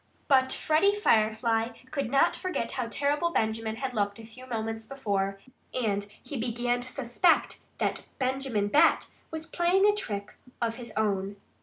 But Freddie Firefly could not forget how terrible Benjamin had looked a few moments before. And he began to suspect that Benjamin Bat was playing a trick of his own.